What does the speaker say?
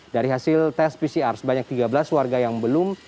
dari hasil tes pcr sebanyak tiga belas warga yang belum